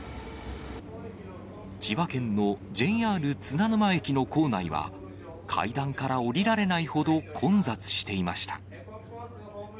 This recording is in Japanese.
千葉県のＪＲ津田沼駅の構内は、階段から降りられないほど、混雑していました。